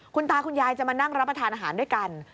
คุณตาคุณยายจะมานั่งรับประทานอาหารด้วยกัน